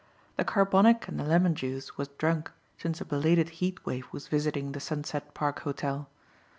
The carbonic and the lemon juice was drunk since a belated heat wave was visiting the Sunset Park Hotel.